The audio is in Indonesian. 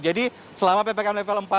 jadi selama ppkm level empat